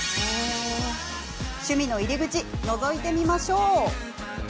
趣味の入り口のぞいてみましょう。